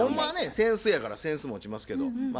扇子やから扇子持ちますけどまあ